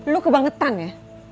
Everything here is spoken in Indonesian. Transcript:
lo kebangetan ya